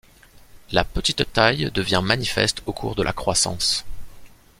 La petite taille devient manifeste au cours de la croissance.